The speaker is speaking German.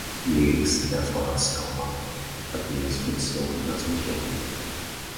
Die Gigs in der Fondation Maeght hatten die Funktion einer Sondierung.